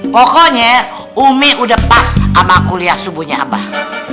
pokoknya umi udah pas sama kuliah subuhnya abah